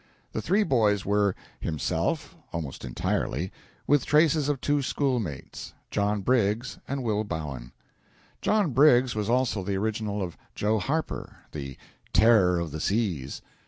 The three boys were himself, almost entirely, with traces of two schoolmates, John Briggs and Will Bowen. John Briggs was also the original of Joe Harper, the "Terror of the Seas."